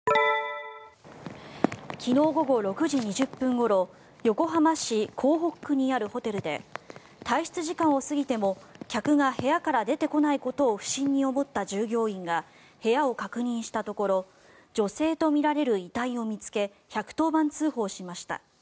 昨日午後６時２０分ごろ横浜市港北区にあるホテルで退出時間を過ぎても客が部屋から出てこないことを不審に思った従業員が部屋を確認したところ女性とみられる遺体を見つけ１１０番通報しました。